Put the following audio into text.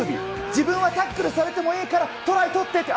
自分はタックルされてもいいから、トライとってって。